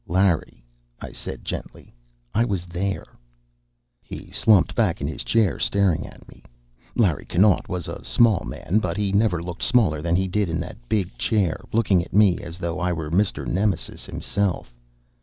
"Larry," I said gently, "I was there." He slumped back in his chair, staring at me. Larry Connaught was a small man, but he never looked smaller than he did in that big chair, looking at me as though I were Mr. Nemesis himself.